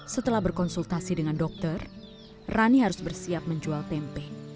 setelah berkonsultasi dengan dokter rani harus bersiap menjual tempe